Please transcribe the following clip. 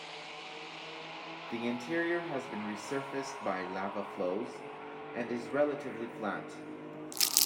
The interior has been resurfaced by lava flows, and is relatively flat.